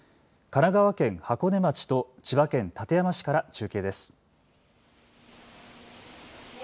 神奈川県箱根町と千葉県館山市から中継です。